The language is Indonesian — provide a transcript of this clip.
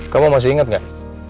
kamu masih inget gak